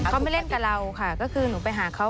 เขาไม่เล่นกับเราค่ะก็คือหนูไปหาเขา